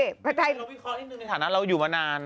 เราวิเคราะห์ที่นึงในฐานะเราอยู่มานาน